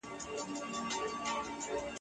چړي حاکم سي پر بندیوان سي ..